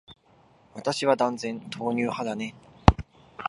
私は断然、豆乳派だね。